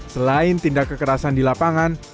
selain tindak kekerasan di lapangan